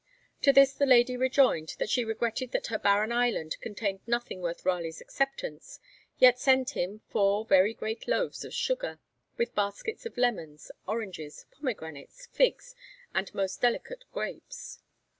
To this the lady rejoined that she regretted that her barren island contained nothing worth Raleigh's acceptance, yet sent him 'four very great loaves of sugar,' with baskets of lemons, oranges, pomegranates, figs, and most delicate grapes.